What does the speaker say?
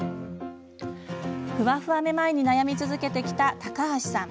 フワフワめまいに悩み続けてきた高橋さん。